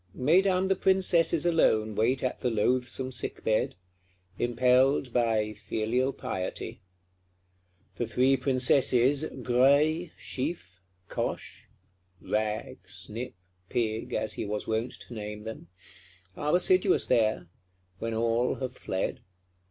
Mesdames the Princesses alone wait at the loathsome sick bed; impelled by filial piety. The three Princesses, Graille, Chiffe, Coche (Rag, Snip, Pig, as he was wont to name them), are assiduous there; when all have fled.